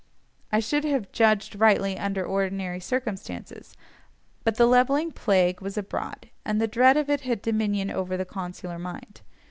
I should have judged rightly under ordinary circumstances, but the levelling plague was abroad, and the dread of it had dominion over the consular mind.